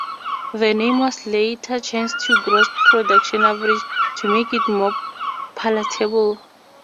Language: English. The name was later changed to Gross Production Average to make it more palatable.